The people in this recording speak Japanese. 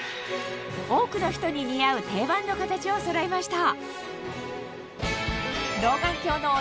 多くの人に似合うをそろえました